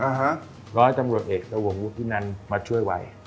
เพราะให้จำรวจเอกสวงวุฒินันมาช่วยไว